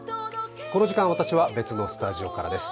この時間、私は別のスタジオからです。